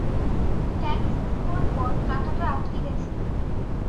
Tank full হওয়ার পর কাঁটাটা আটকে গেছিলো।